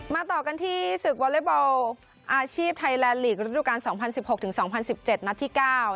มาต่อกันที่ศึกวอเรบอลอาชีพไทยแลนด์หลีกฤตุการณ์๒๐๑๖๒๐๑๗นัดที่๙